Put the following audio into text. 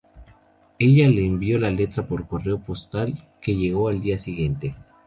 Ella le envió la letra por correo postal, que llegó al día siguiente.